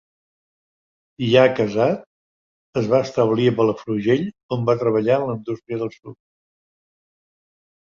Ja casat, es va establir a Palafrugell, on va treballar en la indústria del suro.